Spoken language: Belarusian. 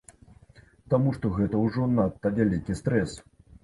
Таму што гэта ўжо надта вялікі стрэс.